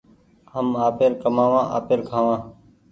هم آپير ڪمآوآ آپير کآوان